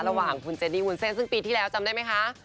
ระหว่างคุณเจนี่วุ้นเส้นซึ่งปีที่แล้วจำได้ไหมคะ